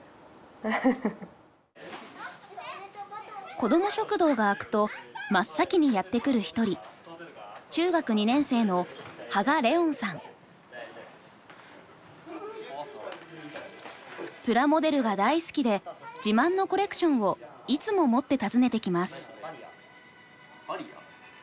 こども食堂が開くと真っ先にやってくる一人中学２年生のプラモデルが大好きで自慢のコレクションをいつも持って訪ねてきます。